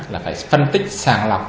là phải phân tích sàng lọc